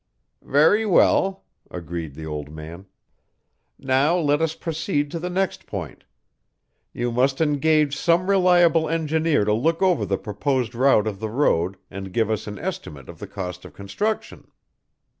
"Very well," agreed the old man. "Now let us proceed to the next point. You must engage some reliable engineer to look over the proposed route of the road and give us an estimate of the cost of construction."